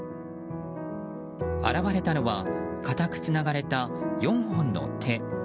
現れたのは固くつながれた４本の手。